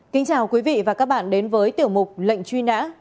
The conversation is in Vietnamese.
kính chào quý vị và các bạn đến với tiểu mục lệnh truy nã